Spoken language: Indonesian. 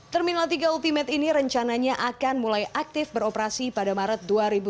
terminal tiga ultimate ini rencananya akan mulai aktif beroperasi pada maret dua ribu dua puluh